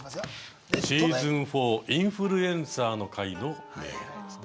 シーズン４「インフルエンサー」の回の名言ですね。